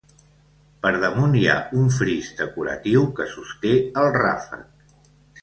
Per damunt hi ha un fris decoratiu que sosté el ràfec.